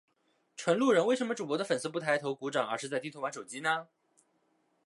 纯路人，为什么主播的粉丝不抬头鼓掌而是在低头玩手机呢？